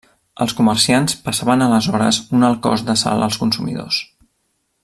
Els comerciants passaven aleshores un alt cost de sal als consumidors.